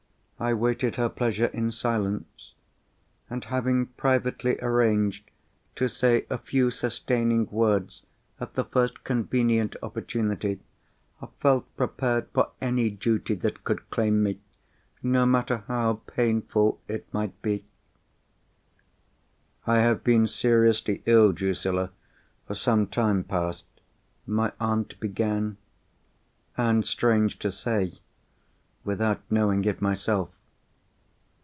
I waited her pleasure in silence; and, having privately arranged to say a few sustaining words at the first convenient opportunity, felt prepared for any duty that could claim me, no matter how painful it might be. "I have been seriously ill, Drusilla, for some time past," my aunt began. "And, strange to say, without knowing it myself."